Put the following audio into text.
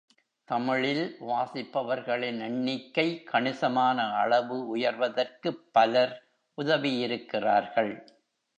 தமிழில் வாசிப்பவர்களின் எண்ணிக்கை கணிசமான அளவு உயர்வதற்குப் பலர் உதவியிருக்கிறார்கள்.